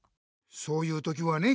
そういうときはね